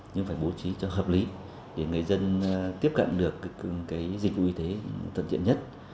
nhưng phải bố trí cho hợp lý để người dân tiếp cận được dịch vụ y tế tận diện nhất